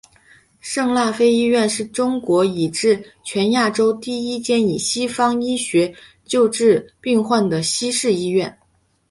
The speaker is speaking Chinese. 圣辣非医院是中国以至全亚洲第一间以西方医学救治病患的西式医院。